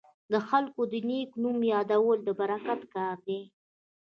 د خلکو د نیک نوم یادول د برکت کار دی.